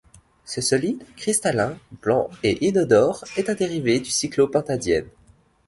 Ce solide, cristallin, blanc et inodore est un dérivé du cyclopentadiène.